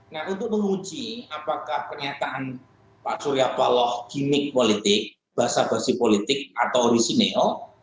nah untuk menguji apakah pernyataan pak surya paloh kimik politik bahasa bahasi politik atau original